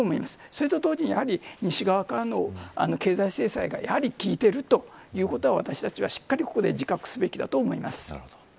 それと同時に、やはり西側からの経済制裁が効いているということは私たちはしっかりと自覚すべきだと思います。